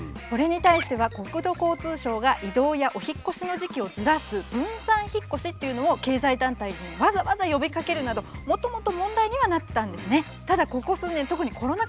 これに対しては国土交通省が異動やお引っ越しの時期をずらす分散引っ越しというのを経済団体にわざわざ呼びかけるなどもともと問題にはなってたんですね。